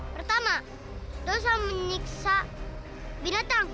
pertama dosa menyiksa binatang